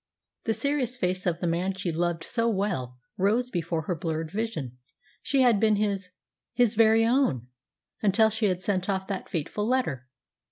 The serious face of the man she loved so well rose before her blurred vision. She had been his his very own until she had sent off that fateful letter.